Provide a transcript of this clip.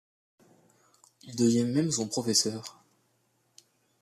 Il devient même son professeur.